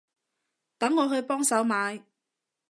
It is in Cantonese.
等我去幫手買